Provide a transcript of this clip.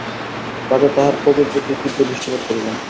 রাজা তাঁহার কবির প্রতি তীব্র দৃষ্টিপাত করিলেন।